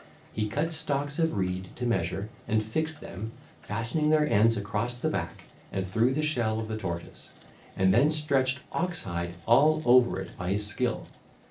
He cut stalks of reed to measure and fixed them, fastening their ends across the back and through the shell of the tortoise, and then stretched ox hide all over it by his skill.